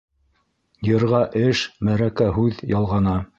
Йырға эш, мәрәкә һүҙ ялғана.